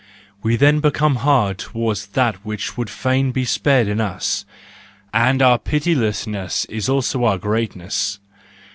We then become hard towards that which would fain be spared in us, and our pitiless ness is also our greatness.